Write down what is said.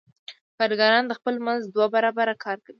کارګران د خپل مزد دوه برابره کار کوي